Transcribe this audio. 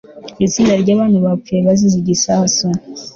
Itsinda ryabantu bapfuye bazize igisasu